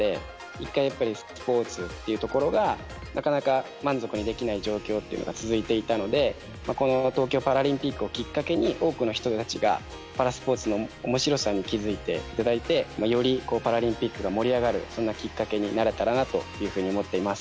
やっぱりスポーツというところがなかなか満足にできない状況というのが続いていたのでこの東京パラリンピックをきっかけに多くの人たちがパラスポーツの面白さに気付いて頂いてよりパラリンピックが盛り上がるそんなきっかけになれたらなというふうに思っています。